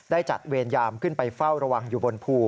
ได้จัดเวรยามขึ้นไปเฝ้าระวังอยู่บนภู